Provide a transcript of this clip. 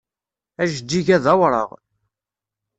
Ajeǧǧig-a d awraɣ.